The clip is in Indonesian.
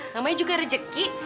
namanya juga rejeki